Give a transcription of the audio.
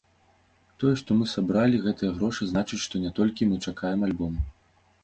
Тое, што мы сабралі гэтыя грошы значыць, што не толькі мы чакаем альбом.